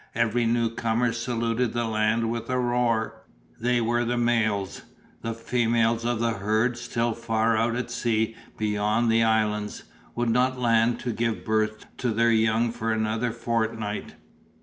Every newcomer saluted the land with a roar. They were the males; the females of the herd, still far out at sea beyond the islands, would not land to give birth to their young for another fortnight.